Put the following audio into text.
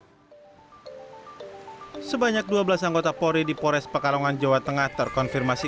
hai sebanyak dua belas anggota polri di pores pekalongan jawa tengah terkonfirmasi